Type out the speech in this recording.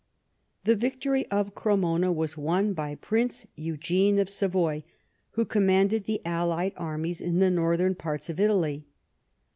The victory of Cre mona was won by Prince Eugene of Savoy, who com manded the allied armies in the northern parts of Italy.